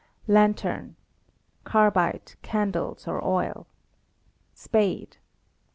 Lantern. "^ Carbide, candles, or oil. *Spade.